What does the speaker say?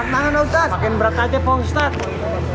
makin berat aja pak ustadz